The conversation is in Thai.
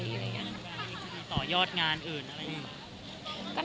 จะมีต่อยอดงานอื่นอะไรบ้าง